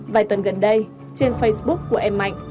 vài tuần gần đây trên facebook của em mạnh